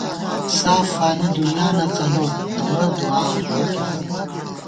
ساف فانی دُنیانہ څَلوت ، امہ دُعاں ووئیکے پت